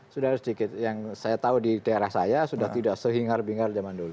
sudah ada sedikit yang saya tahu di daerah saya sudah tidak sehingar bingar zaman dulu